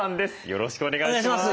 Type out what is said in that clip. よろしくお願いします。